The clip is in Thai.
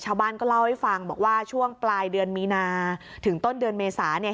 ชาวบ้านก็เล่าให้ฟังบอกว่าช่วงปลายเดือนมีนาถึงต้นเดือนเมษาเนี่ย